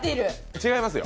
違いますよ。